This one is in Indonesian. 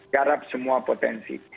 garap semua potensi